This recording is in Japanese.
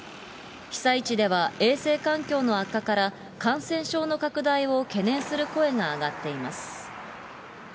被災地では衛生環境の悪化から、感染症の拡大を懸念する声が上がっています。